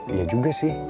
iya juga sih